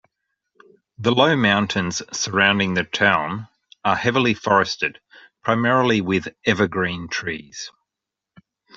The low mountains surrounding the town are heavily forested, primarily with evergreen trees.